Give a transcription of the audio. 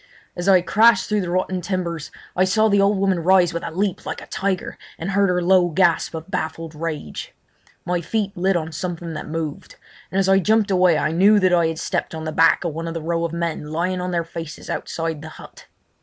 As I crashed through the rotten timbers I saw the old woman rise with a leap like a tiger and heard her low gasp of baffled rage. My feet lit on something that moved, and as I jumped away I knew that I had stepped on the back of one of the row of men lying on their faces outside the hut.